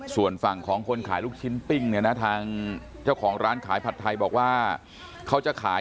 ส่วนฝั่งของคนขายลูกชิ้นปิ้งเนี่ยนะทางเจ้าของร้านขายผัดไทยบอกว่าเขาจะขาย